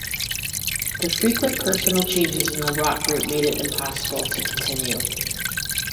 The frequent personal changes in the rock group made it impossible to continue.